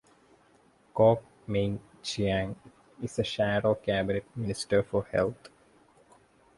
Kok Ming Cheang is the shadow cabinet minister for health.